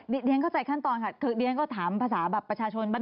ดีเอางเข้าใจขั้นตอนดีเอางก็ถามภาษาประชาชนบ้าน